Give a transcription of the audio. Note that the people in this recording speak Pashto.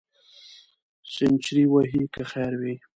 سینچري وهې که خیر وي.